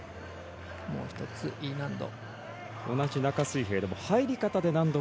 もう１つ、Ｅ難度。